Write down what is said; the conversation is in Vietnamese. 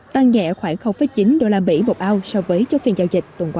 tăng nhẹ khoảng chín đô la mỹ một ao so với chốt phiên giao dịch tuần qua